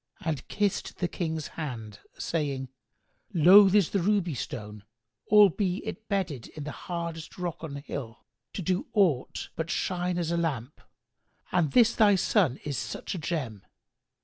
and kissed the King's hand, saying, "Loath is the ruby stone, albe it be bedded in the hardest rock on hill, to do aught but shine as a lamp, and this thy son is such a gem.